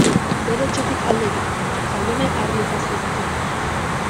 Bere etxetik alde egiten du, Jaione harri eta zur utzita.